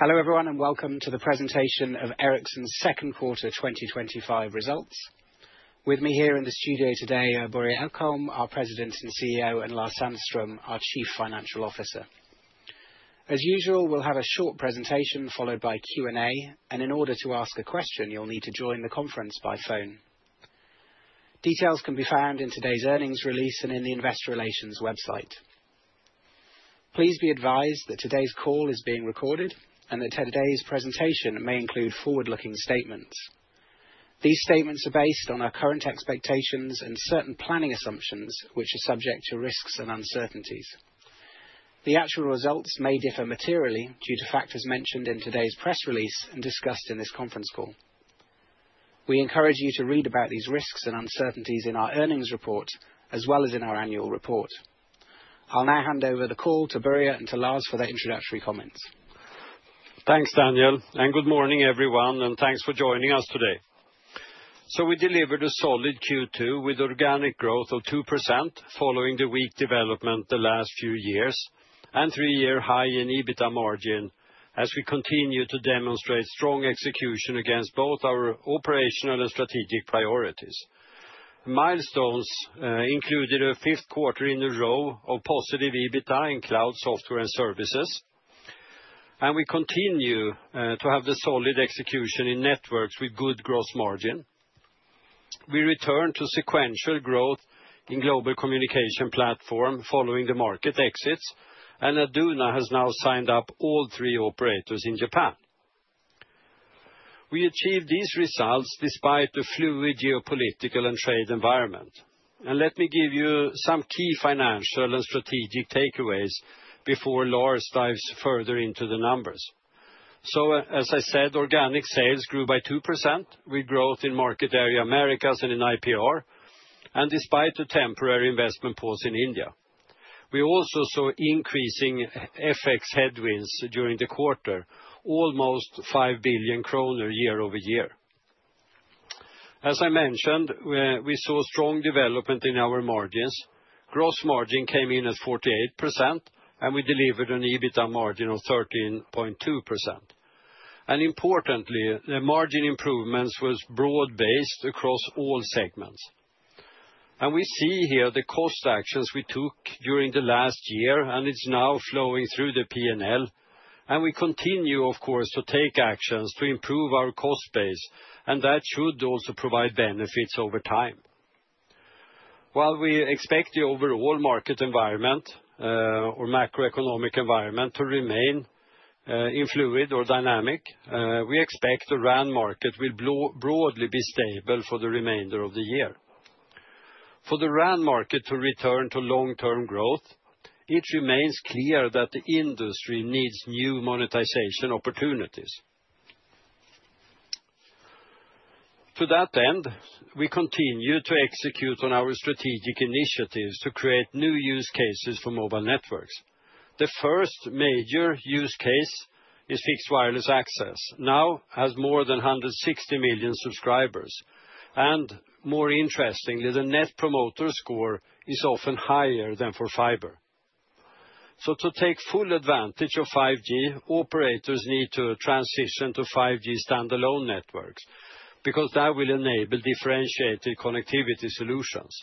Hello everyone and welcome to the presentation of Ericsson's Second Quarter 2025 Results. With me here in the studio today are Börje Ekholm, our President and CEO, and Lars Sandström, our Chief Financial Officer. As usual, we'll have a short presentation followed by Q&A, and in order to ask a question, you'll need to join the conference by phone. Details can be found in today's earnings release and in the Investor Relations website. Please be advised that today's call is being recorded and that today's presentation may include forward-looking statements. These statements are based on our current expectations and certain planning assumptions, which are subject to risks and uncertainties. The actual results may differ materially due to factors mentioned in today's press release and discussed in this conference call. We encourage you to read about these risks and uncertainties in our earnings report as well as in our annual report. I'll now hand over the call to Börje and to Lars for their introductory comments. Thanks, Daniel, and good morning everyone, and thanks for joining us today. We delivered a solid Q2 with organic growth of 2% following the weak development the last few years and a three-year high in EBITDA margin as we continue to demonstrate strong execution against both our operational and strategic priorities. Milestones included a fifth quarter in a row of positive EBITDA in Cloud Software and Services. We continue to have the solid execution in Networks with good gross margin. We returned to sequential growth in Global Communications Platform following the market exits, and Aduna has now signed up all three operators in Japan. We achieved these results despite the fluid geopolitical and trade environment. Let me give you some key financial and strategic takeaways before Lars dives further into the numbers. As I said, organic sales grew by 2% with growth in market area Americas and in IPR, and despite the temporary investment pause in India. We also saw increasing FX headwinds during the quarter, almost 5 billion kronor year over year. As I mentioned, we saw strong development in our margins. Gross margin came in at 48%, and we delivered an EBITDA margin of 13.2%. Importantly, the margin improvements were broad-based across all segments. We see here the cost actions we took during the last year, and it is now flowing through the P&L. We continue, of course, to take actions to improve our cost base, and that should also provide benefits over time. While we expect the overall market environment, or macroeconomic environment, to remain fluid or dynamic, we expect the RAN market will broadly be stable for the remainder of the year. For the RAN market to return to long-term growth, it remains clear that the industry needs new monetization opportunities. To that end, we continue to execute on our strategic initiatives to create new use cases for mobile networks. The first major use case is fixed wireless access, now has more than 160 million subscribers. More interestingly, the net promoter score is often higher than for fiber. To take full advantage of 5G, operators need to transition to 5G standalone networks because that will enable differentiated connectivity solutions.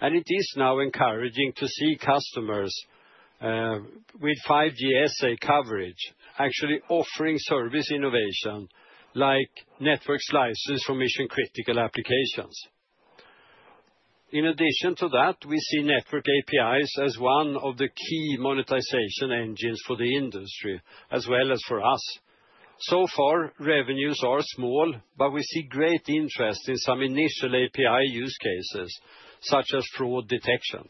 It is now encouraging to see customers with 5G SA coverage actually offering service innovation like network slices for mission-critical applications. In addition to that, we see network APIs as one of the key monetization engines for the industry, as well as for us. Revenues are small, but we see great interest in some initial API use cases, such as fraud detection.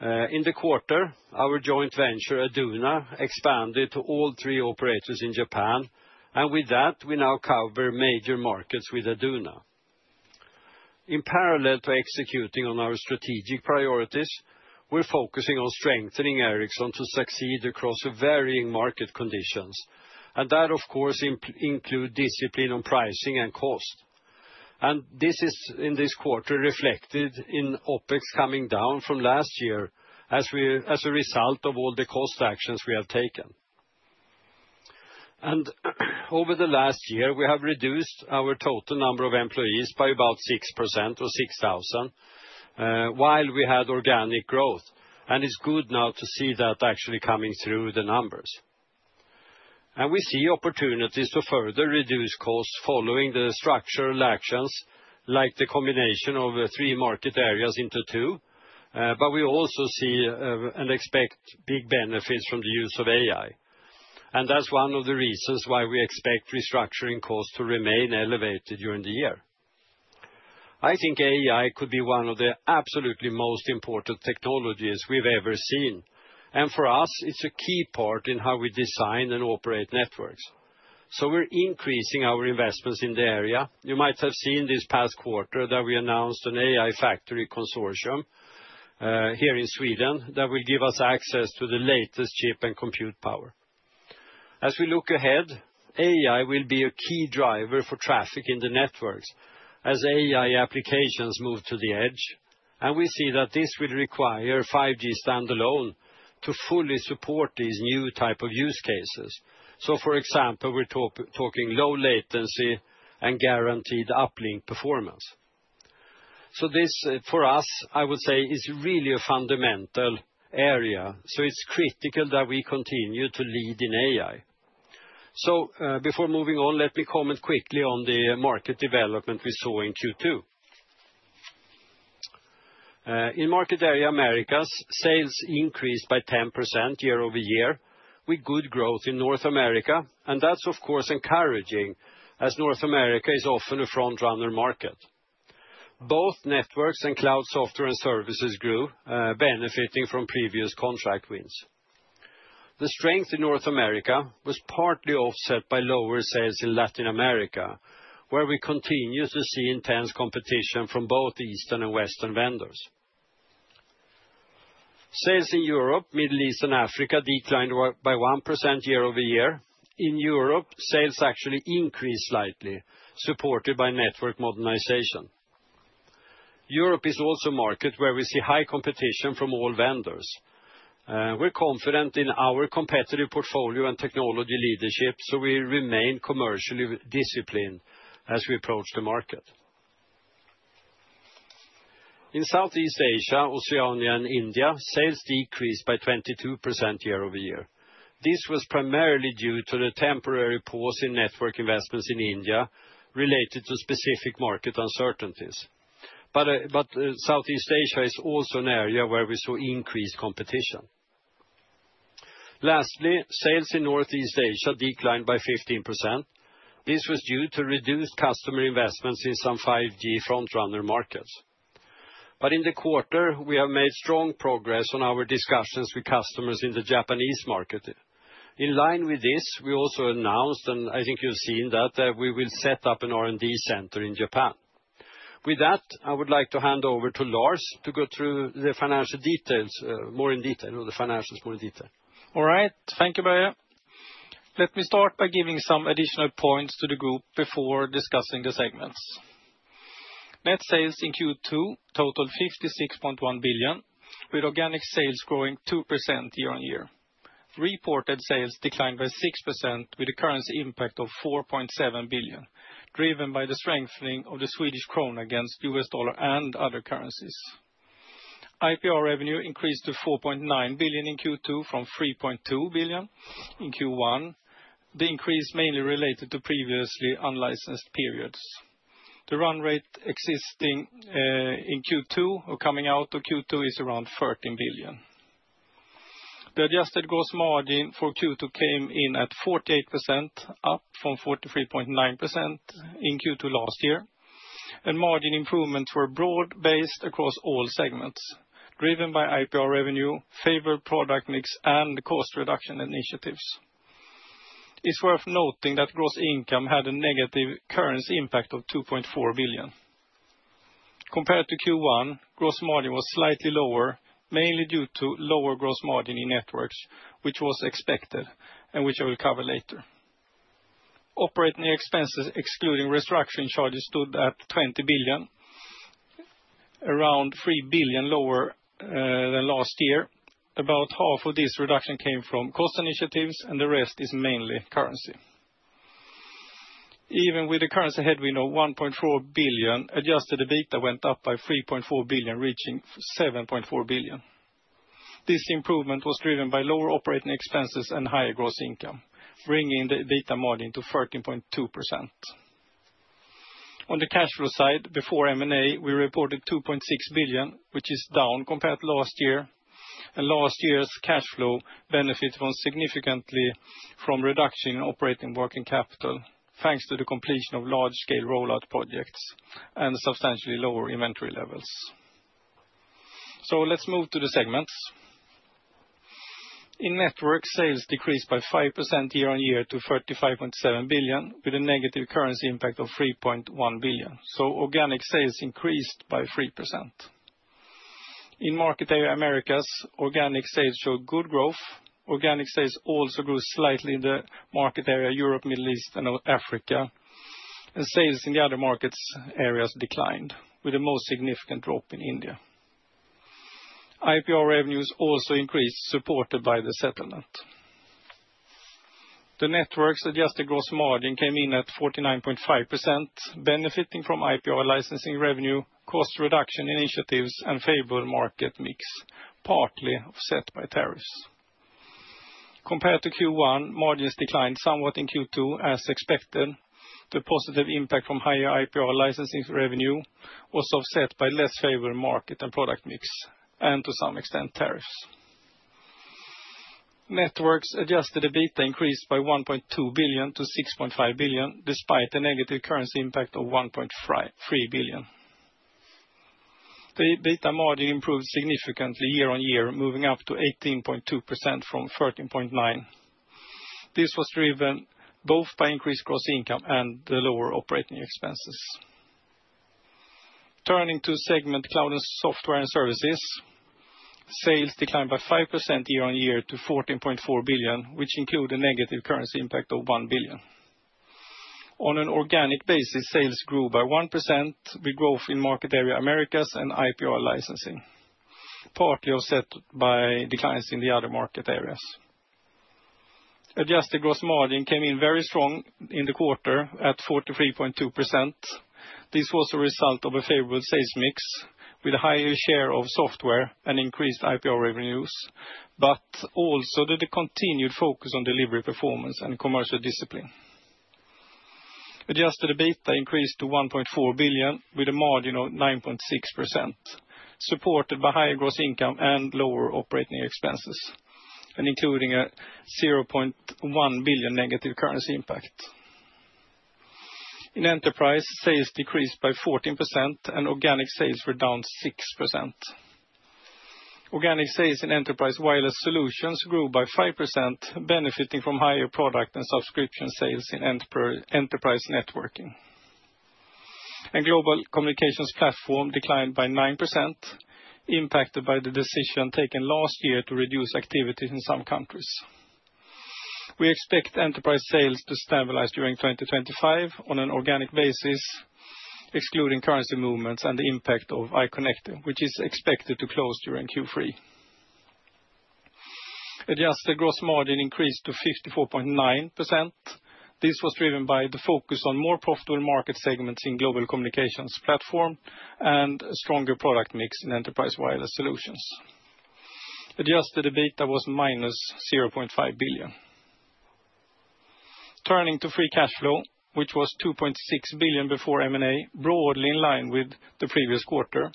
In the quarter, our joint venture, Aduna, expanded to all three operators in Japan, and with that, we now cover major markets with Aduna. In parallel to executing on our strategic priorities, we're focusing on strengthening Ericsson to succeed across varying market conditions, and that, of course, includes discipline on pricing and cost. This is, in this quarter, reflected in OPEX coming down from last year as a result of all the cost actions we have taken. Over the last year, we have reduced our total number of employees by about 6% or 6,000. While we had organic growth, and it's good now to see that actually coming through the numbers. We see opportunities to further reduce costs following the structural actions like the combination of three market areas into two, but we also see and expect big benefits from the use of AI. That is one of the reasons why we expect restructuring costs to remain elevated during the year. I think AI could be one of the absolutely most important technologies we've ever seen, and for us, it's a key part in how we design and operate networks. We are increasing our investments in the area. You might have seen this past quarter that we announced an AI Factory Consortium here in Sweden that will give us access to the latest chip and compute power. As we look ahead, AI will be a key driver for traffic in the networks as AI applications move to the edge, and we see that this will require 5G standalone to fully support these new types of use cases. For example, we're talking low latency and guaranteed uplink performance. This, for us, I would say, is really a fundamental area, so it's critical that we continue to lead in AI. Before moving on, let me comment quickly on the market development we saw in Q2. In market area Americas, sales increased by 10% year over year with good growth in North America, and that's, of course, encouraging as North America is often a front-runner market. Both Networks and Cloud Software and Services grew, benefiting from previous contract wins. The strength in North America was partly offset by lower sales in Latin America, where we continue to see intense competition from both Eastern and Western vendors. Sales in Europe, Middle East, and Africa declined by 1% year over year. In Europe, sales actually increased slightly, supported by network modernization. Europe is also a market where we see high competition from all vendors. We're confident in our competitive portfolio and technology leadership, so we remain commercially disciplined as we approach the market. In Southeast Asia, Oceania, and India, sales decreased by 22% year over year. This was primarily due to the temporary pause in network investments in India related to specific market uncertainties. Southeast Asia is also an area where we saw increased competition. Lastly, sales in Northeast Asia declined by 15%. This was due to reduced customer investments in some 5G front-runner markets. In the quarter, we have made strong progress on our discussions with customers in the Japanese market. In line with this, we also announced, and I think you've seen that, that we will set up an R&D center in Japan. With that, I would like to hand over to Lars to go through the financial details more in detail, or the financials more in detail. All right, thank you, Börje. Let me start by giving some additional points to the group before discussing the segments. Net sales in Q2 totaled 56.1 billion, with organic sales growing 2% year on year. Reported sales declined by 6%, with a currency impact of 4.7 billion, driven by the strengthening of the Swedish krona against the US dollar and other currencies. IPR revenue increased to 4.9 billion in Q2 from 3.2 billion in Q1. The increase is mainly related to previously unlicensed periods. The run rate existing in Q2 or coming out of Q2 is around 13 billion. The adjusted gross margin for Q2 came in at 48%, up from 43.9% in Q2 last year. Margin improvements were broad-based across all segments, driven by IPR revenue, favored product mix, and cost reduction initiatives. It's worth noting that gross income had a negative currency impact of 2.4 billion. Compared to Q1, gross margin was slightly lower, mainly due to lower gross margin in Networks, which was expected and which I will cover later. Operating expenses, excluding restructuring charges, stood at 20 billion. Around 3 billion lower than last year. About half of this reduction came from cost initiatives, and the rest is mainly currency. Even with a currency headwind of 1.4 billion, adjusted EBITDA went up by 3.4 billion, reaching 7.4 billion. This improvement was driven by lower operating expenses and higher gross income, bringing the EBITDA margin to 13.2%. On the cash flow side, before M&A, we reported 2.6 billion, which is down compared to last year. Last year's cash flow benefited significantly from reduction in operating working capital, thanks to the completion of large-scale rollout projects and substantially lower inventory levels. Let's move to the segments. In Networks, sales decreased by 5% year on year to 35.7 billion, with a negative currency impact of 3.1 billion. Organic sales increased by 3%. In market area Americas, organic sales showed good growth. Organic sales also grew slightly in the market area Europe, Middle East, and Africa. Sales in the other markets' areas declined, with the most significant drop in India. IPR revenues also increased, supported by the settlement. The Networks adjusted gross margin came in at 49.5%, benefiting from IPR licensing revenue, cost reduction initiatives, and favored market mix, partly offset by tariffs. Compared to Q1, margins declined somewhat in Q2, as expected. The positive impact from higher IPR licensing revenue was offset by less favored market and product mix, and to some extent, tariffs. Networks adjusted EBITDA increased by 1.2 billion to 6.5 billion, despite a negative currency impact of 1.3 billion. The EBITDA margin improved significantly year on year, moving up to 18.2% from 13.9%. This was driven both by increased gross income and the lower operating expenses. Turning to segment Cloud and Software and Services. Sales declined by 5% year on year to 14.4 billion, which included a negative currency impact of 1 billion. On an organic basis, sales grew by 1% with growth in market area Americas and IPR licensing, partly offset by declines in the other market areas. Adjusted gross margin came in very strong in the quarter at 43.2%. This was a result of a favorable sales mix with a higher share of software and increased IPR revenues, but also due to the continued focus on delivery performance and commercial discipline. Adjusted EBITDA increased to 1.4 billion with a margin of 9.6%. Supported by higher gross income and lower operating expenses, and including a 0.1 billion negative currency impact. In Enterprise, sales decreased by 14%, and organic sales were down 6%. Organic sales in Enterprise Wireless Solutions grew by 5%, benefiting from higher product and subscription sales in enterprise networking. Global Communications Platform declined by 9%, impacted by the decision taken last year to reduce activities in some countries. We expect Enterprise sales to stabilize during 2025 on an organic basis, excluding currency movements and the impact of iConnect, which is expected to close during Q3. Adjusted gross margin increased to 54.9%. This was driven by the focus on more profitable market segments in Global Communications Platform and stronger product mix in Enterprise Wireless Solutions. Adjusted EBITDA was minus 0.5 billion. Turning to free cash flow, which was 2.6 billion before M&A, broadly in line with the previous quarter,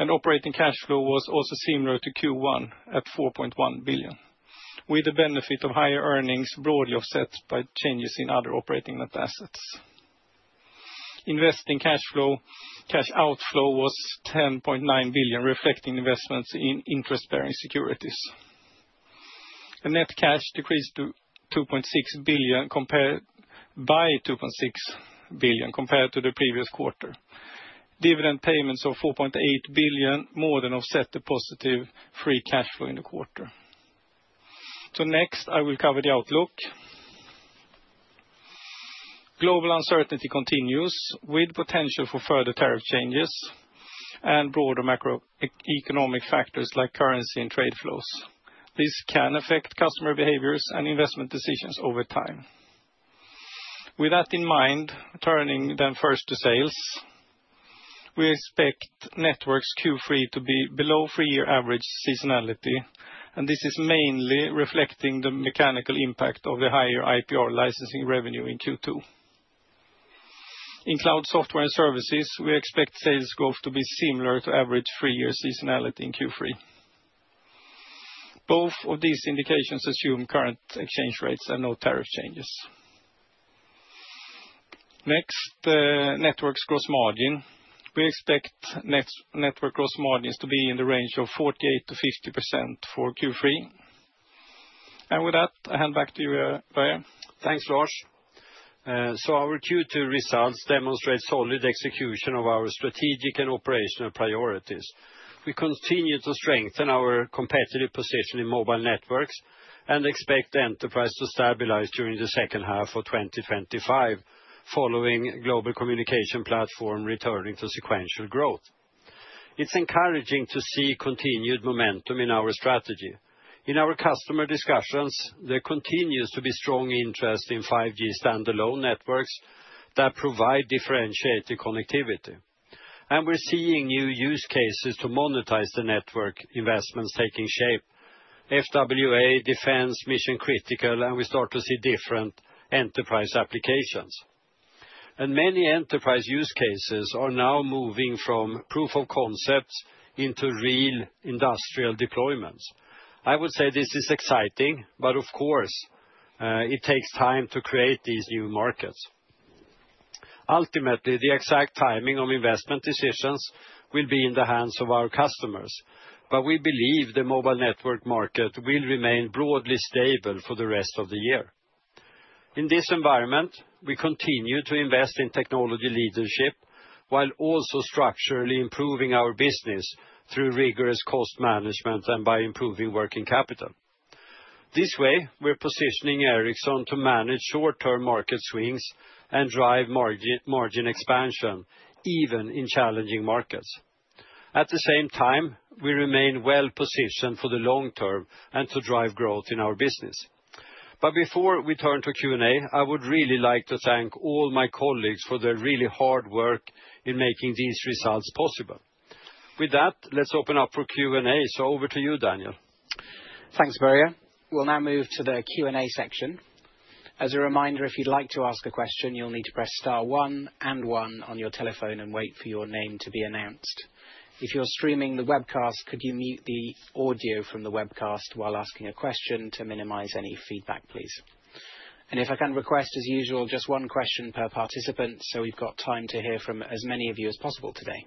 and operating cash flow was also similar to Q1 at 4.1 billion, with the benefit of higher earnings broadly offset by changes in other operating net assets. Investing cash flow, cash outflow was 10.9 billion, reflecting investments in interest-bearing securities. Net cash decreased to 2.6 billion by 2.6 billion compared to the previous quarter. Dividend payments of 4.8 billion more than offset the positive free cash flow in the quarter. Next, I will cover the outlook. Global uncertainty continues with potential for further tariff changes and broader macroeconomic factors like currency and trade flows. This can affect customer behaviors and investment decisions over time. With that in mind, turning then first to sales. We expect Networks Q3 to be below three-year average seasonality, and this is mainly reflecting the mechanical impact of the higher IPR licensing revenue in Q2. In Cloud Software and Services, we expect sales growth to be similar to average three-year seasonality in Q3. Both of these indications assume current exchange rates and no tariff changes. Next, Networks gross margin. We expect Networks gross margins to be in the range of 48%-50% for Q3. With that, I hand back to you, Börje. Thanks, Lars. Our Q2 results demonstrate solid execution of our strategic and operational priorities. We continue to strengthen our competitive position in mobile networks and expect the enterprise to stabilize during the second half of 2025, following Global Communications Platform returning to sequential growth. It is encouraging to see continued momentum in our strategy. In our customer discussions, there continues to be strong interest in 5G standalone networks that provide differentiated connectivity. We are seeing new use cases to monetize the network investments taking shape. FWA, defense, mission-critical, and we start to see different enterprise applications. Many enterprise use cases are now moving from proof of concepts into real industrial deployments. I would say this is exciting, but of course it takes time to create these new markets. Ultimately, the exact timing of investment decisions will be in the hands of our customers, but we believe the mobile network market will remain broadly stable for the rest of the year. In this environment, we continue to invest in technology leadership while also structurally improving our business through rigorous cost management and by improving working capital. This way, we're positioning Ericsson to manage short-term market swings and drive margin expansion even in challenging markets. At the same time, we remain well-positioned for the long term and to drive growth in our business. Before we turn to Q&A, I would really like to thank all my colleagues for their really hard work in making these results possible. With that, let's open up for Q&A. Over to you, Daniel. Thanks, Börje. We'll now move to the Q&A section. As a reminder, if you'd like to ask a question, you'll need to press * one and one on your telephone and wait for your name to be announced. If you're streaming the webcast, could you mute the audio from the webcast while asking a question to minimize any feedback, please? If I can request, as usual, just one question per participant so we've got time to hear from as many of you as possible today.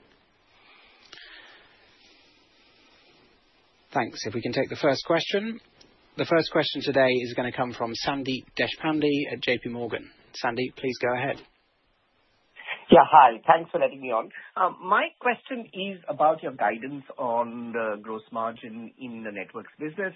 Thanks. If we can take the first question. The first question today is going to come from Sandeep Deshpande at JP Morgan. Sandeep, please go ahead. Yeah, hi. Thanks for letting me on. My question is about your guidance on the gross margin in the Networks business.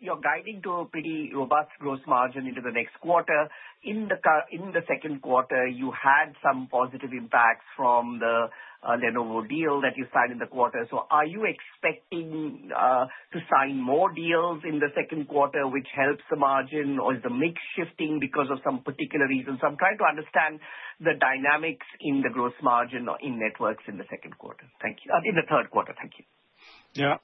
You're guiding to a pretty robust gross margin into the next quarter. In the second quarter, you had some positive impacts from the Lenovo deal that you signed in the quarter. So are you expecting to sign more deals in the second quarter, which helps the margin, or is the mix shifting because of some particular reasons? I'm trying to understand the dynamics in the gross margin in Networks in the second quarter. Thank you. In the third quarter, thank you. Yeah.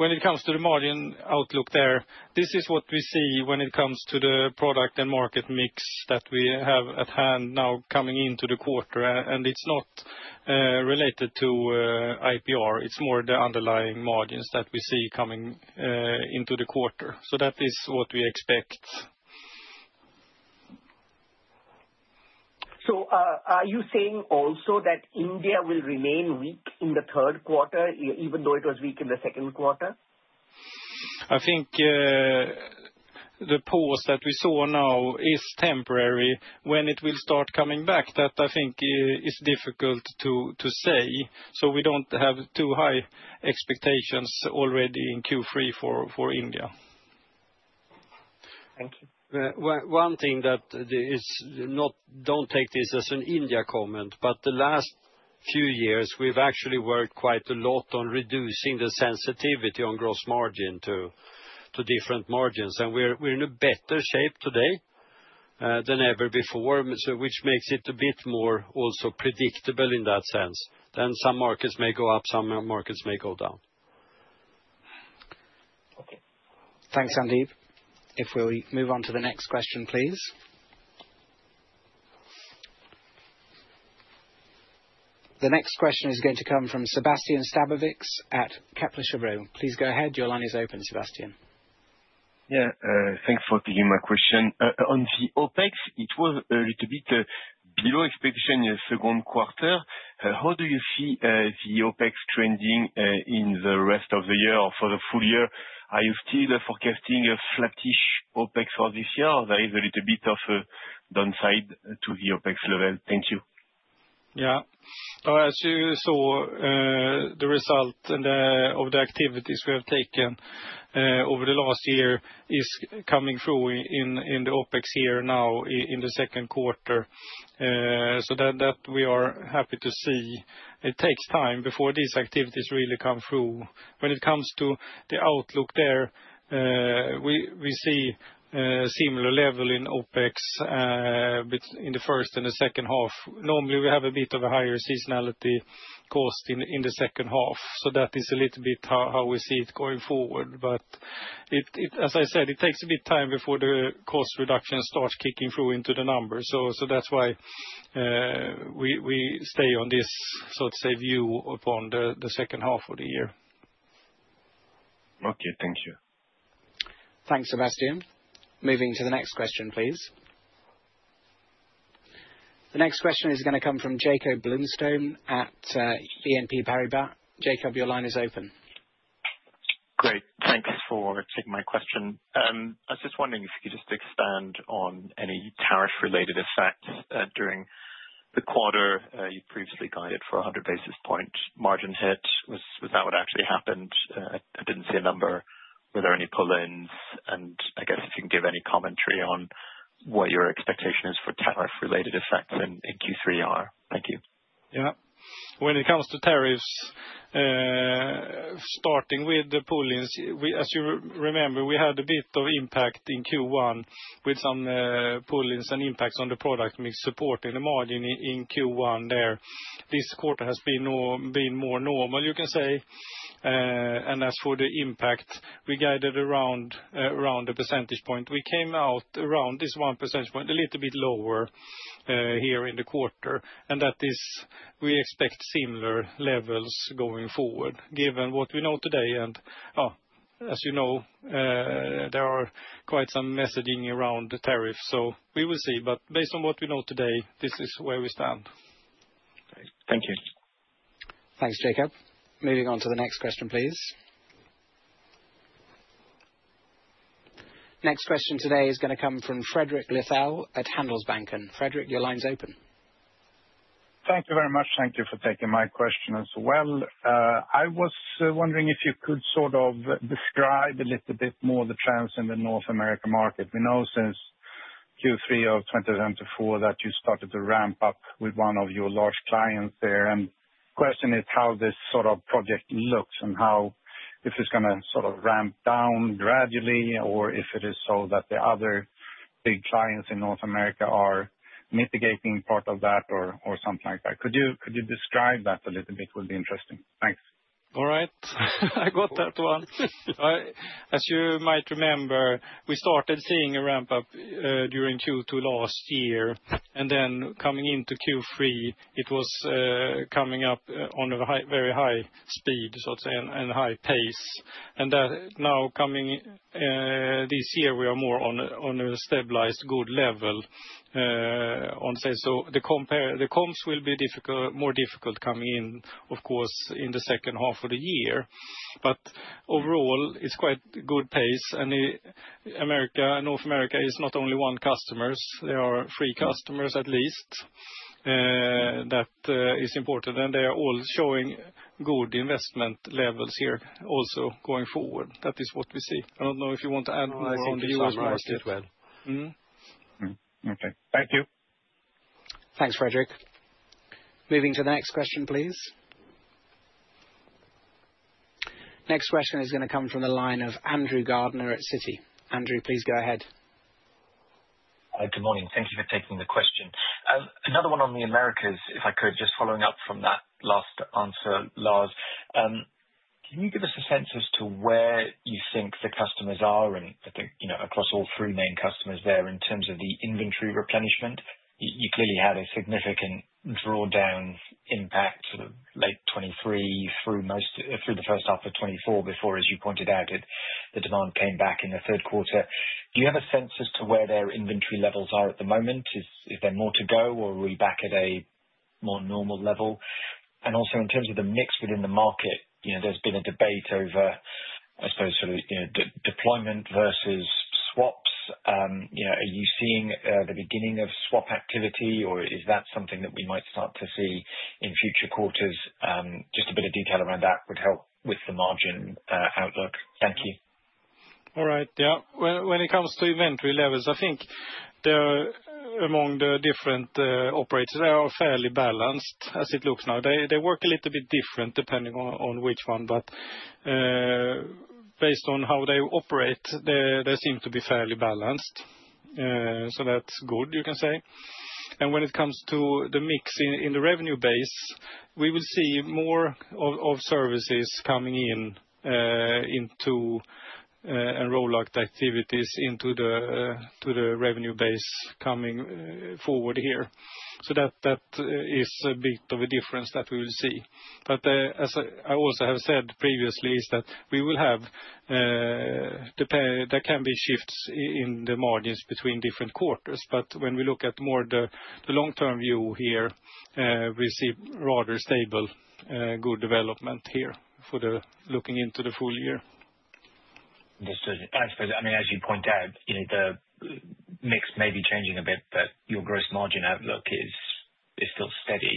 When it comes to the margin outlook there, this is what we see when it comes to the product and market mix that we have at hand now coming into the quarter. It is not related to IPR. It is more the underlying margins that we see coming into the quarter. That is what we expect. Are you saying also that India will remain weak in the third quarter, even though it was weak in the second quarter? I think. The pause that we saw now is temporary. When it will start coming back, that I think is difficult to say. We do not have too high expectations already in Q3 for India. Thank you. One thing that is not—do not take this as an India comment—but the last few years, we have actually worked quite a lot on reducing the sensitivity on gross margin to different margins. We are in a better shape today than ever before, which makes it a bit more also predictable in that sense. Some markets may go up, some markets may go down. Okay. Thanks, Sandeep. If we move on to the next question, please. The next question is going to come from Sébastien Sztabowicz at Kepler Cheuvreux. Please go ahead. Your line is open, Sébastien. Yeah, thanks for taking my question. On the OPEX, it was a little bit below expectation in the second quarter. How do you see the OPEX trending in the rest of the year or for the full year? Are you still forecasting a flattish OPEX for this year? There is a little bit of a downside to the OPEX level. Thank you. Yeah. As you saw, the result of the activities we have taken over the last year is coming through in the OPEX year now in the second quarter, so that we are happy to see. It takes time before these activities really come through. When it comes to the outlook there, we see a similar level in OPEX in the first and the second half. Normally, we have a bit of a higher seasonality cost in the second half, so that is a little bit how we see it going forward. As I said, it takes a bit of time before the cost reduction starts kicking through into the numbers. That's why we stay on this, so to say, view upon the second half of the year. Okay, thank you. Thanks, Sébastien. Moving to the next question, please. The next question is going to come from Jakob Bluestone at BNP Paribas. Jakob, your line is open. Great. Thanks for taking my question. I was just wondering if you could just expand on any tariff-related effects during the quarter. You previously guided for a 100 basis point margin hit. Was that what actually happened? I did not see a number. Were there any pull-ins? I guess if you can give any commentary on what your expectation is for tariff-related effects in Q3R. Thank you. Yeah. When it comes to tariffs. Starting with the pull-ins, as you remember, we had a bit of impact in Q1 with some pull-ins and impacts on the product mix, supporting the margin in Q1 there. This quarter has been more normal, you can say. As for the impact, we guided around a percentage point. We came out around this one percentage point, a little bit lower here in the quarter. That is, we expect similar levels going forward, given what we know today. As you know, there are quite some messaging around the tariff. We will see. Based on what we know today, this is where we stand. Thank you. Thanks, Jakob. Moving on to the next question, please. Next question today is going to come from Fredrik Lithell at Handelsbanken. Fredrik, your line is open. Thank you very much. Thank you for taking my question as well. I was wondering if you could sort of describe a little bit more the trends in the North American market. We know since Q3 of 2024 that you started to ramp up with one of your large clients there. The question is how this sort of project looks and how if it's going to sort of ramp down gradually or if it is so that the other big clients in North America are mitigating part of that or something like that. Could you describe that a little bit? It would be interesting. Thanks. All right. I got that one. As you might remember, we started seeing a ramp-up during Q2 last year. Then coming into Q3, it was coming up on a very high speed, so to say, and high pace. Now coming this year, we are more on a stabilized good level. The comps will be more difficult coming in, of course, in the second half of the year. Overall, it's quite good pace. North America is not only one customer. There are three customers at least. That is important. They are all showing good investment levels here also going forward. That is what we see. I do not know if you want to add more on the U.S. market. Okay. Thank you. Thanks, Fredrik. Moving to the next question, please. Next question is going to come from the line of Andrew Gardiner at Citi. Andrew, please go ahead. Good morning. Thank you for taking the question. Another one on the Americas, if I could, just following up from that last answer, Lars. Can you give us a sense as to where you think the customers are across all three main customers there in terms of the inventory replenishment? You clearly had a significant drawdown impact sort of late 2023 through the first half of 2024 before, as you pointed out, the demand came back in the third quarter. Do you have a sense as to where their inventory levels are at the moment? Is there more to go or are we back at a more normal level? Also in terms of the mix within the market, there's been a debate over. I suppose, sort of deployment versus swaps. Are you seeing the beginning of swap activity, or is that something that we might start to see in future quarters? Just a bit of detail around that would help with the margin outlook. Thank you. All right. Yeah. When it comes to inventory levels, I think among the different operators, they are fairly balanced as it looks now. They work a little bit different depending on which one. Based on how they operate, they seem to be fairly balanced. That is good, you can say. When it comes to the mix in the revenue base, we will see more of services coming in, and roll-out activities into the revenue base coming forward here. That is a bit of a difference that we will see. As I also have said previously, we will have shifts in the margins between different quarters. When we look at more the long-term view here, we see rather stable good development here for looking into the full year. I suppose, I mean, as you point out, the mix may be changing a bit, but your gross margin outlook is still steady.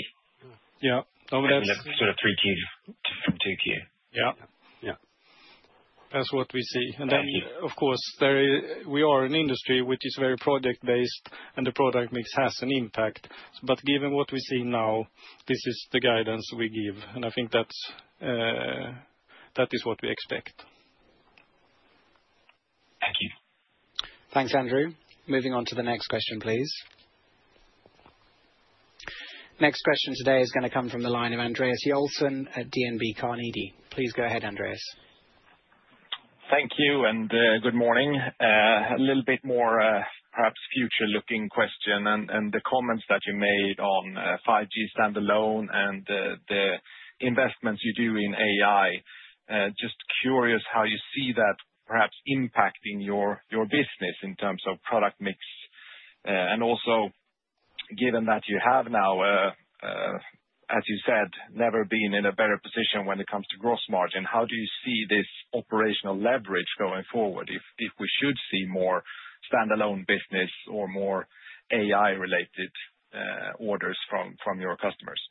Yeah. Sort of three Q from two Q. Yeah. Yeah. That is what we see. Of course, we are an industry which is very project-based, and the product mix has an impact. Given what we see now, this is the guidance we give. I think that is what we expect. Thank you. Thanks, Andrew. Moving on to the next question, please. Next question today is going to come from the line of Andreas Joelsson at Carnegie. Please go ahead, Andreas. Thank you and good morning. A little bit more, perhaps, future-looking question. The comments that you made on 5G Standalone and the investments you do in AI, just curious how you see that perhaps impacting your business in terms of product mix. Also, given that you have now, as you said, never been in a better position when it comes to gross margin, how do you see this operational leverage going forward if we should see more standalone business or more AI-related orders from your customers?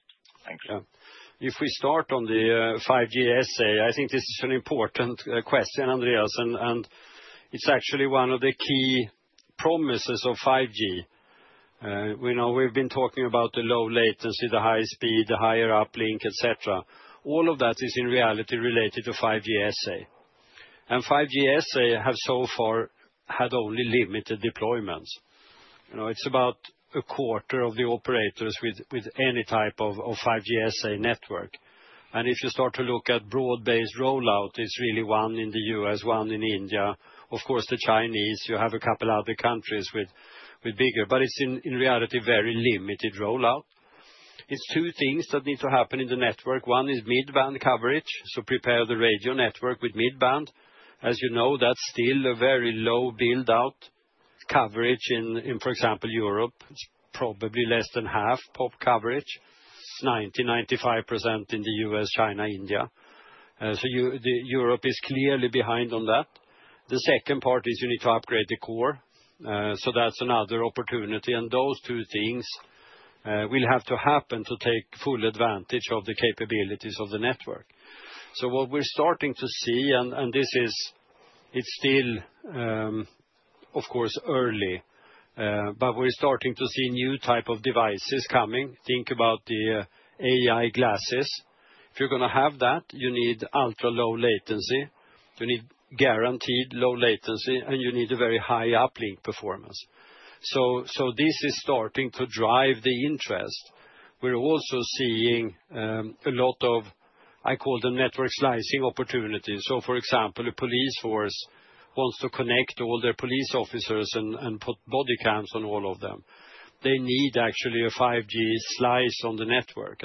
Thank you. Yeah. If we start on the 5G SA, I think this is an important question, Andreas, and it's actually one of the key promises of 5G. We've been talking about the low latency, the high speed, the higher uplink, etc. All of that is in reality related to 5G SA. 5G SA has so far had only limited deployments. It's about a quarter of the operators with any type of 5G SA network. If you start to look at broad-based rollout, it's really one in the U.S., one in India, of course, the Chinese. You have a couple of other countries with bigger, but it's in reality very limited rollout. It's two things that need to happen in the network. One is mid-band coverage, so prepare the radio network with mid-band. As you know, that's still a very low build-out. Coverage in, for example, Europe. It's probably less than half pop coverage. 90-95% in the U.S., China, India. Europe is clearly behind on that. The second part is you need to upgrade the core. That's another opportunity. Those two things will have to happen to take full advantage of the capabilities of the network. What we're starting to see, and this is, it's still, of course, early, but we're starting to see new types of devices coming. Think about the AI glasses. If you're going to have that, you need ultra-low-latency. You need guaranteed low latency, and you need a very high uplink performance. This is starting to drive the interest. We're also seeing a lot of, I call them network slicing opportunities. For example, a police force wants to connect all their police officers and put body cams on all of them. They need actually a 5G slice on the network.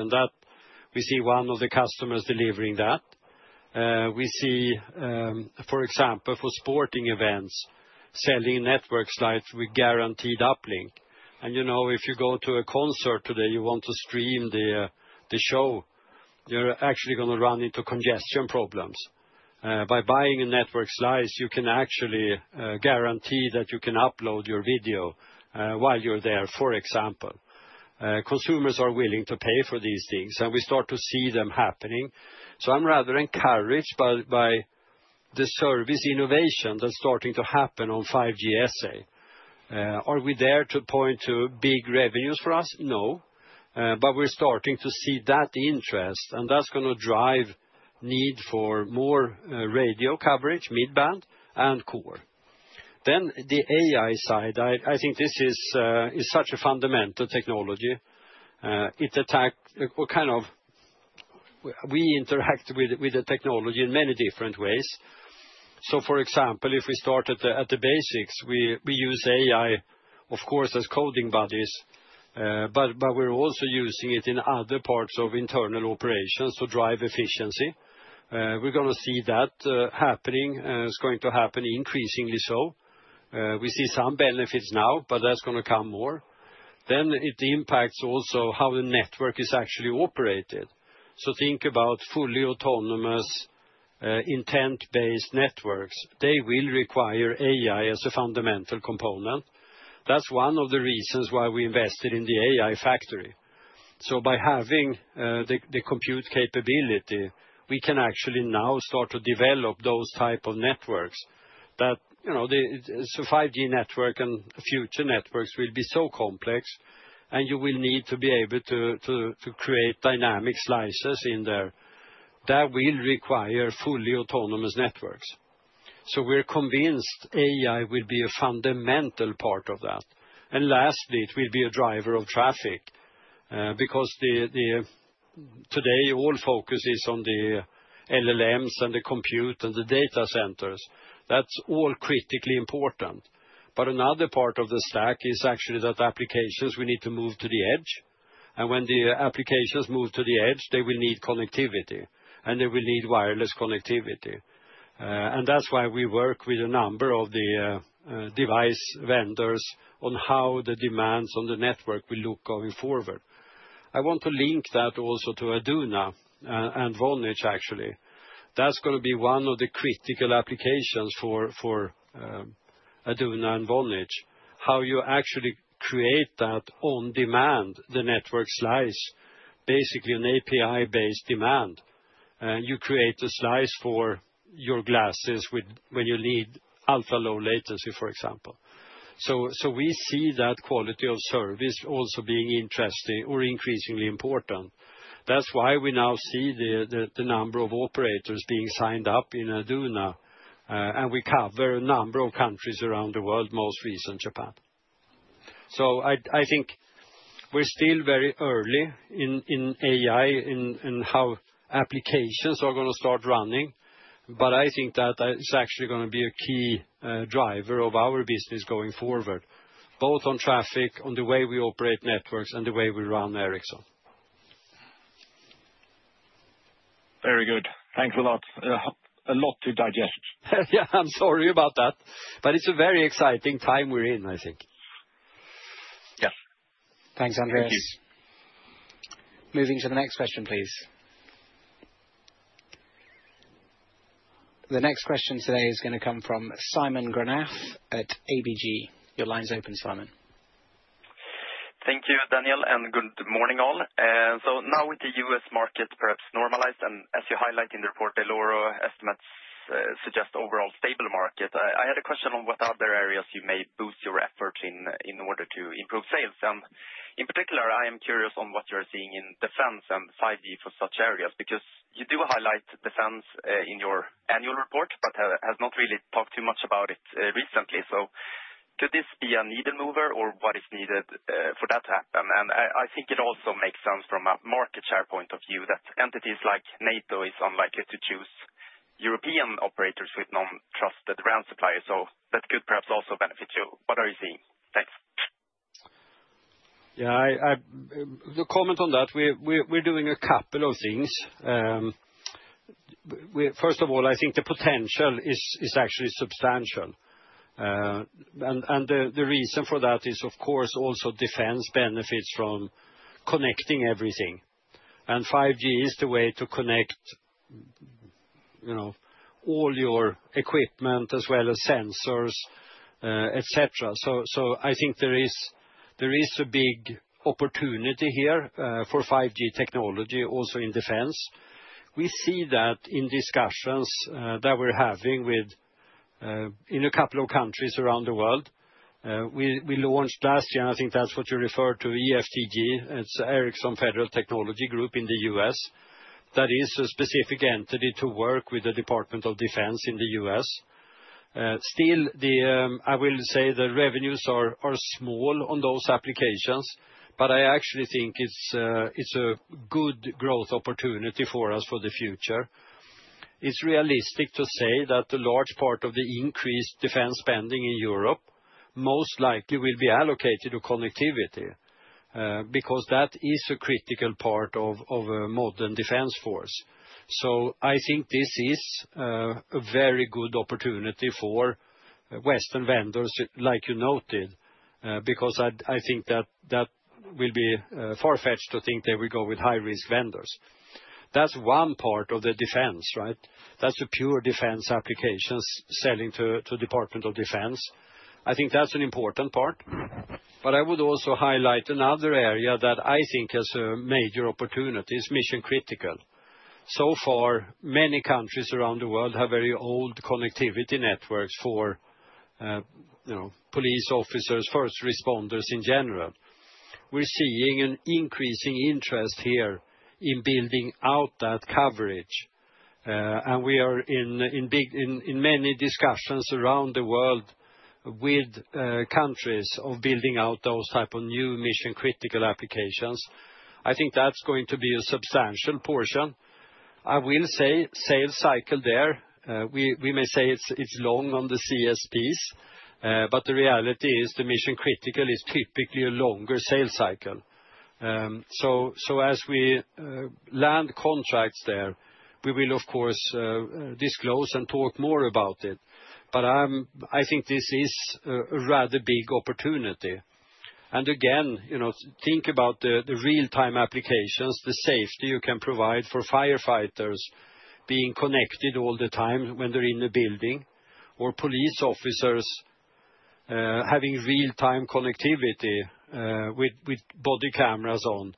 We see one of the customers delivering that. For example, for sporting events, selling network slices with guaranteed uplink. If you go to a concert today, you want to stream the show. You're actually going to run into congestion problems. By buying a network slice, you can actually guarantee that you can upload your video while you're there, for example. Consumers are willing to pay for these things, and we start to see them happening. I'm rather encouraged by the service innovation that's starting to happen on 5G SA. Are we there to point to big revenues for us? No. We're starting to see that interest, and that's going to drive need for more radio coverage, mid-band, and core. The AI side, I think this is such a fundamental technology. It attacks kind of. We interact with the technology in many different ways. For example, if we start at the basics, we use AI, of course, as coding buddies. We are also using it in other parts of internal operations to drive efficiency. We are going to see that happening. It is going to happen increasingly so. We see some benefits now, but that is going to come more. It impacts also how the network is actually operated. Think about fully autonomous, intent-based networks. They will require AI as a fundamental component. That is one of the reasons why we invested in the AI factory. By having the compute capability, we can actually now start to develop those types of networks. A 5G network and future networks will be so complex, and you will need to be able to create dynamic slices in there. That will require fully autonomous networks. We're convinced AI will be a fundamental part of that. Lastly, it will be a driver of traffic. Today all focus is on the LLMs and the compute and the data centers. That's all critically important. Another part of the stack is actually that applications need to move to the edge. When the applications move to the edge, they will need connectivity, and they will need wireless connectivity. That's why we work with a number of the device vendors on how the demands on the network will look going forward. I want to link that also to Aduna and Vonage, actually. That's going to be one of the critical applications for Aduna and Vonage. How you actually create that on demand, the network slice, basically an API-based demand. You create a slice for your glasses when you need ultra low latency, for example. We see that quality of service also being interesting or increasingly important. That is why we now see the number of operators being signed up in Aduna. We cover a number of countries around the world, most recent Japan. I think we are still very early in AI and how applications are going to start running. I think that it is actually going to be a key driver of our business going forward, both on traffic, on the way we operate networks, and the way we run Ericsson. Very good. Thanks a lot. A lot to digest. Yeah, I'm sorry about that. It is a very exciting time we're in, I think. Yes. Thanks, Andreas. Moving to the next question, please. The next question today is going to come from Simon Granath at ABG. Your line's open, Simon. Thank you, Daniel, and good morning all. Now with the U.S. market perhaps normalized, and as you highlight in the report, Delora estimates suggest overall stable market, I had a question on what other areas you may boost your efforts in order to improve sales. In particular, I am curious on what you're seeing in defense and 5G for such areas because you do highlight defense in your annual report, but have not really talked too much about it recently. Could this be a needle mover or what is needed for that to happen? I think it also makes sense from a market share point of view that entities like NATO are unlikely to choose European operators with non-trusted brand suppliers. That could perhaps also benefit you. What are you seeing? Thanks. Yeah. Comment on that. We're doing a couple of things. First of all, I think the potential is actually substantial. The reason for that is, of course, also defense benefits from connecting everything. 5G is the way to connect all your equipment as well as sensors, etc. I think there is a big opportunity here for 5G technology also in defense. We see that in discussions that we're having with a couple of countries around the world. We launched last year, and I think that's what you referred to, EFTG. It's Ericsson Federal Technology Group in the U.S. That is a specific entity to work with the Department of Defense in the U.S. Still, I will say the revenues are small on those applications, but I actually think it's a good growth opportunity for us for the future. It's realistic to say that a large part of the increased defense spending in Europe most likely will be allocated to connectivity. Because that is a critical part of a modern defense force. I think this is a very good opportunity for Western vendors, like you noted, because I think that will be far-fetched to think they will go with high-risk vendors. That's one part of the defense, right? That's a pure defense application selling to the Department of Defense. I think that's an important part. I would also highlight another area that I think has a major opportunity is mission-critical. So far, many countries around the world have very old connectivity networks for police officers, first responders in general. We're seeing an increasing interest here in building out that coverage. We are in many discussions around the world. With countries of building out those types of new mission-critical applications. I think that's going to be a substantial portion. I will say sales cycle there, we may say it's long on the CSPs, but the reality is the mission-critical is typically a longer sales cycle. As we land contracts there, we will, of course, disclose and talk more about it. I think this is a rather big opportunity. Again, think about the real-time applications, the safety you can provide for firefighters being connected all the time when they're in the building, or police officers. Having real-time connectivity with body cameras on.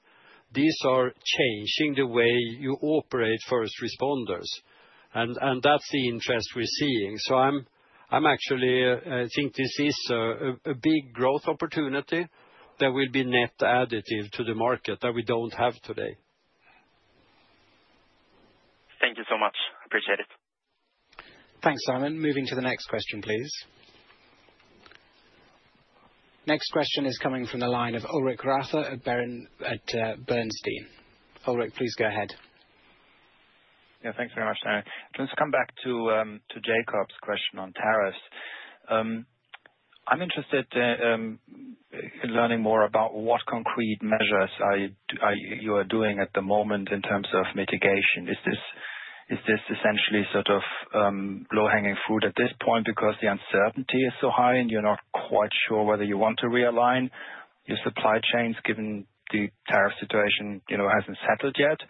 These are changing the way you operate first responders. That's the interest we're seeing. I'm actually, I think this is a big growth opportunity that will be net additive to the market that we don't have today. Thank you so much. Appreciate it. Thanks, Simon. Moving to the next question, please. Next question is coming from the line of Ulrich Rathe at Bernstein. Ulrich, please go ahead. Yeah, thanks very much, Daniel. I'm just going to come back to Jakob question on tariffs. I'm interested in learning more about what concrete measures you are doing at the moment in terms of mitigation. Is this essentially sort of low-hanging fruit at this point because the uncertainty is so high and you're not quite sure whether you want to realign your supply chains given the tariff situation hasn't settled yet and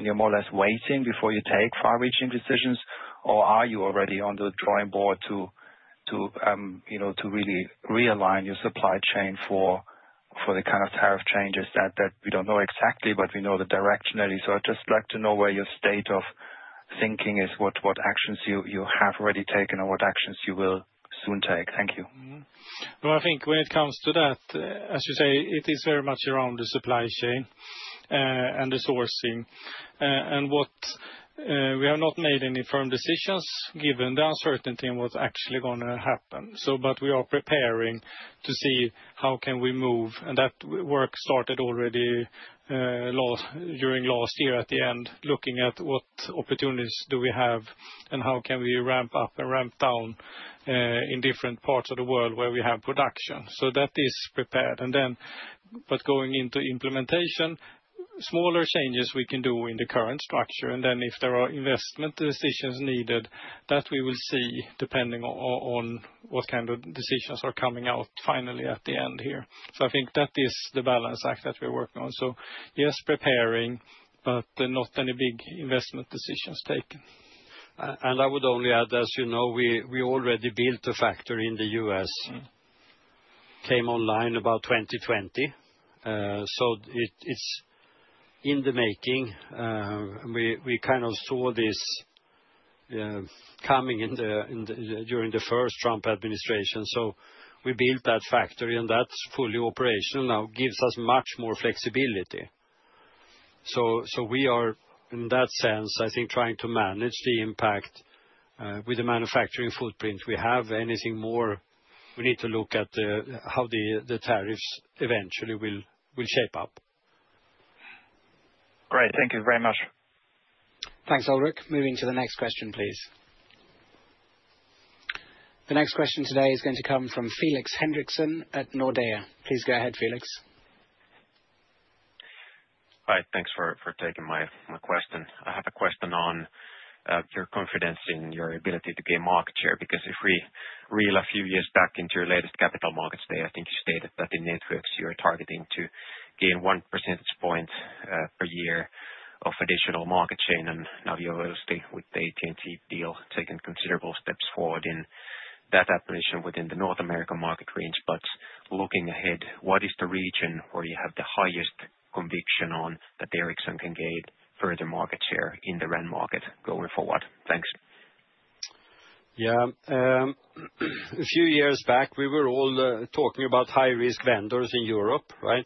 you're more or less waiting before you take far-reaching decisions? Or are you already on the drawing board to really realign your supply chain for the kind of tariff changes that we don't know exactly, but we know directionally? So I'd just like to know where your state of thinking is, what actions you have already taken or what actions you will soon take. Thank you. No, I think when it comes to that, as you say, it is very much around the supply chain and the sourcing. We have not made any firm decisions given the uncertainty and what is actually going to happen. We are preparing to see how we can move, and that work started already during last year at the end, looking at what opportunities we have and how we can ramp up and ramp down in different parts of the world where we have production. That is prepared. Going into implementation, smaller changes we can do in the current structure. If there are investment decisions needed, we will see depending on what kind of decisions are coming out finally at the end here. I think that is the balance act that we are working on. Yes, preparing, but not any big investment decisions taken. I would only add, as you know, we already built a factory in the U.S. Came online about 2020. It is in the making. We kind of saw this coming during the first Trump administration. We built that factory and that is fully operational now, gives us much more flexibility. We are, in that sense, I think, trying to manage the impact with the manufacturing footprint we have. Anything more, we need to look at how the tariffs eventually will shape up. Great. Thank you very much. Thanks, Ulrich. Moving to the next question, please. The next question today is going to come from Felix Henriksson at Nordea. Please go ahead, Felix. Hi, thanks for taking my question. I have a question on your confidence in your ability to gain market share because if we reel a few years back into your latest capital markets day, I think you stated that in Networks you are targeting to gain one percentage point per year of additional market share. Now you're obviously with the AT&T deal, taking considerable steps forward in that operation within the North American market range. Looking ahead, what is the region where you have the highest conviction that Ericsson can gain further market share in the RAN market going forward? Thanks. Yeah. A few years back, we were all talking about high-risk vendors in Europe, right?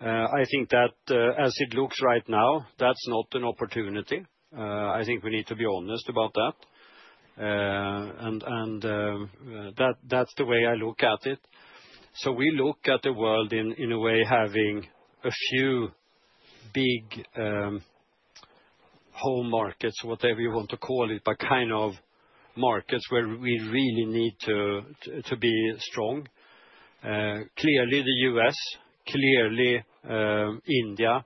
I think that as it looks right now, that's not an opportunity. I think we need to be honest about that. That's the way I look at it. We look at the world in a way having a few big home markets, whatever you want to call it, but kind of markets where we really need to be strong. Clearly the U.S., clearly India,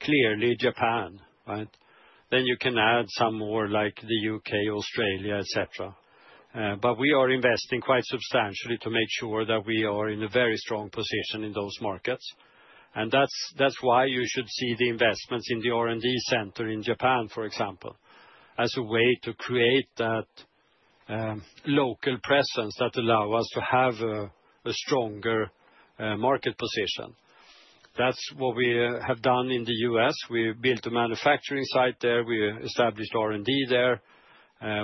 clearly Japan, right? You can add some more like the U.K., Australia, etc. We are investing quite substantially to make sure that we are in a very strong position in those markets. That's why you should see the investments in the R&D center in Japan, for example, as a way to create that local presence that allows us to have a stronger market position. That's what we have done in the U.S. We built a manufacturing site there. We established R&D there.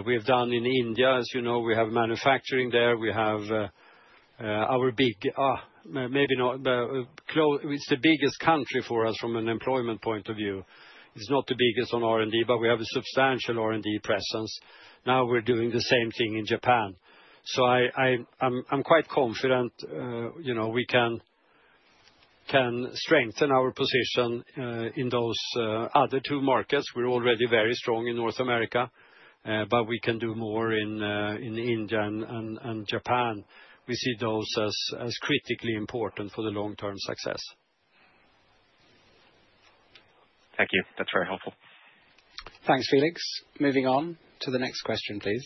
We have done in India, as you know, we have manufacturing there. Our big, maybe not, it's the biggest country for us from an employment point of view. It's not the biggest on R&D, but we have a substantial R&D presence. Now we're doing the same thing in Japan. I am quite confident we can strengthen our position in those other two markets. We're already very strong in North America, but we can do more in India and Japan. We see those as critically important for the long-term success. Thank you. That's very helpful. Thanks, Felix. Moving on to the next question, please.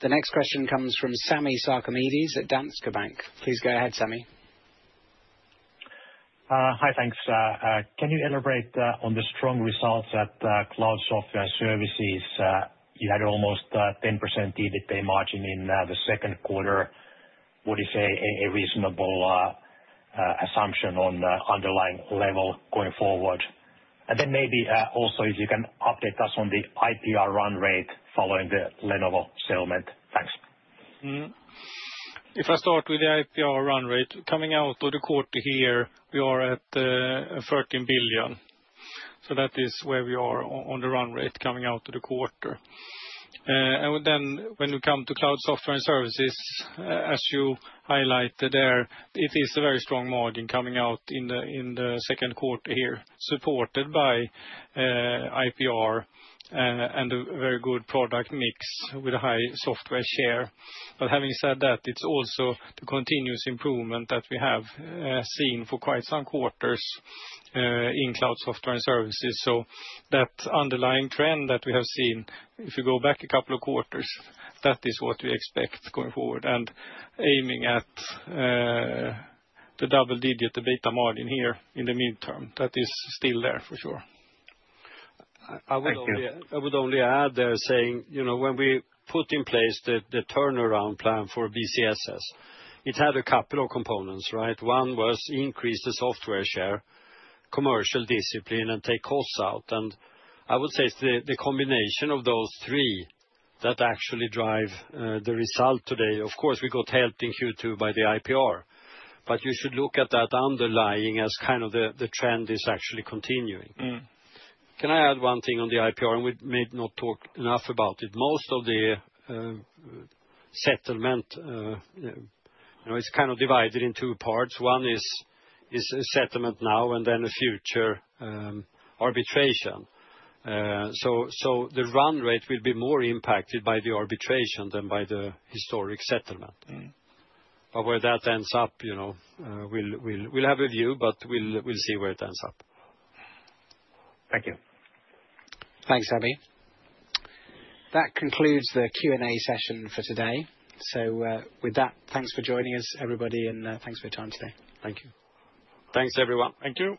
The next question comes from Sami Sarkamies at Danske Bank. Please go ahead, Sami. Hi, thanks. Can you elaborate on the strong results at Cloud Software and Services? You had almost 10% EBITDA margin in the second quarter. Would you say a reasonable assumption on the underlying level going forward? Maybe also, if you can update us on the IPR run rate following the Lenovo settlement. Thanks. If I start with the IPR run rate, coming out of the quarter here, we are at 1.3 billion. That is where we are on the run rate coming out of the quarter. When we come to Cloud Software and Services, as you highlighted there, it is a very strong margin coming out in the second quarter here, supported by IPR and a very good product mix with a high software share. Having said that, it's also the continuous improvement that we have seen for quite some quarters in Cloud Software and Services. That underlying trend that we have seen, if you go back a couple of quarters, that is what we expect going forward and aiming at the double-digit EBITDA margin here in the midterm. That is still there for sure. I would only add there saying when we put in place the turnaround plan for BCSS, it had a couple of components, right? One was increase the software share, commercial discipline, and take costs out. I would say it's the combination of those three that actually drive the result today. Of course, we got help in Q2 by the IPR, but you should look at that underlying as kind of the trend is actually continuing. Can I add one thing on the IPR? We may not talk enough about it. Most of the settlement is kind of divided in two parts. One is settlement now and then a future arbitration. The run rate will be more impacted by the arbitration than by the historic settlement. Where that ends up, we'll have a view, but we'll see where it ends up. Thank you. Thanks, Sami. That concludes the Q&A session for today. With that, thanks for joining us, everybody, and thanks for your time today. Thank you. Thanks, everyone. Thank you.